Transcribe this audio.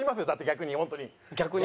逆に？